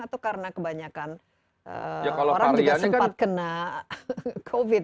atau karena kebanyakan orang juga sempat kena covid